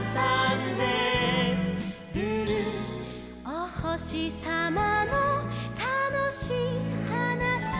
「おほしさまのたのしいはなし」